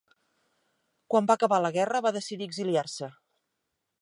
Quan va acabar la guerra va decidir exiliar-se.